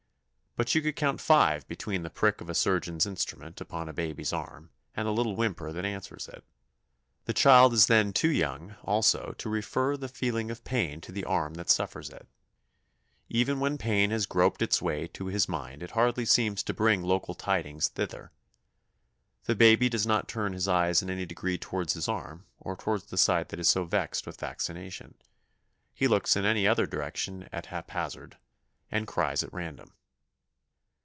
But you could count five between the prick of a surgeon's instrument upon a baby's arm and the little whimper that answers it. The child is then too young, also, to refer the feeling of pain to the arm that suffers it. Even when pain has groped its way to his mind it hardly seems to bring local tidings thither. The baby does not turn his eyes in any degree towards his arm or towards the side that is so vexed with vaccination. He looks in any other direction at haphazard, and cries at random.